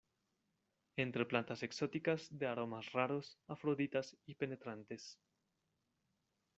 entre plantas exóticas, de aromas raros , afroditas y penetrantes.